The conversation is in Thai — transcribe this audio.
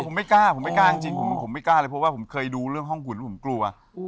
เพราะว่าผมเคยดูเรื่องห้องหุ่นผมกลัว